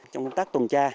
trong công tác tuần tra